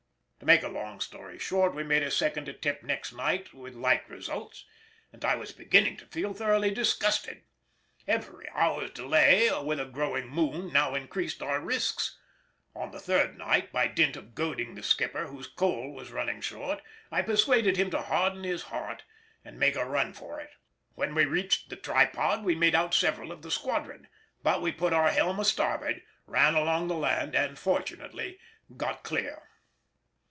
To make a long story short we made a second attempt next night with like results, and I was beginning to feel thoroughly disgusted. Every hour's delay with a growing moon now increased our risks; on the third night, by dint of goading the skipper, whose coal was running short, I persuaded him to harden his heart and make a run for it. When we reached the Tripod we made out several of the squadron, but we put our helm a starboard, ran along the land, and fortunately got clear.